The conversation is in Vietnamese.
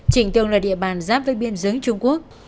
trịnh tường là địa bàn giáp với biên giới trung quốc